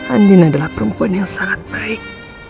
andin adalah perempuan yang sangat baik